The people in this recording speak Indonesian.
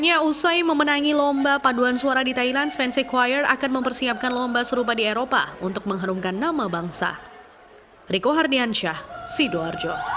rasa bangga dan juga ceria terpancar saat disambut keluarga di terminal kedatangan bandara juanda